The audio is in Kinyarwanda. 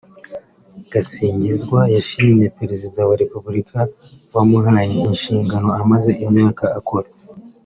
Gasinzigwa yashimye Perezida wa Repubulika wamuhaye inshingano amaze imyaka akora